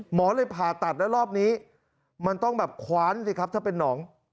หมอเลยผ่าตัดแล้วรอบนี้มันต้องแบบคว้านสิครับถ้าเป็นหนอง